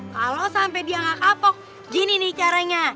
kalo sampe dia gak kapok gini nih caranya